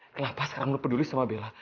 kenapa sekarang lo peduli sama bella